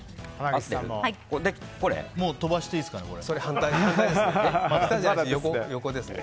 もう飛ばしていいですかね。